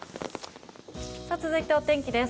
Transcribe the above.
続いてお天気です。